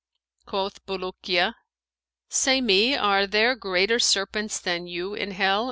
Quoth Bulukiya, 'Say me, are there greater serpents than you in Hell?'